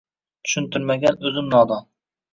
Tushuntirmagan o`zim nodon